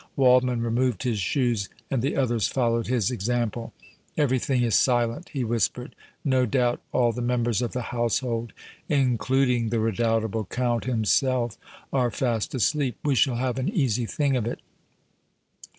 Waldmann removed his shoes and the others followed his example. "Everything is silent," he whispered. "No doubt all the members of the household, including the redoubtable Count himself, are fast asleep. We shall have an easy thing of it."